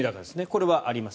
これはあります。